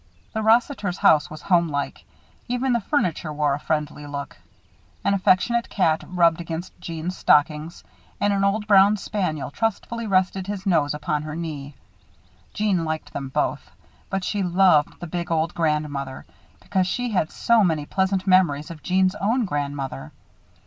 The Rossiters' house was homelike. Even the furniture wore a friendly look. An affectionate cat rubbed against Jeanne's stockings and an old brown spaniel trustfully rested his nose upon her knee. Jeanne liked them both, but she loved the big old grandmother, because she had so many pleasant memories of Jeanne's own grandmother.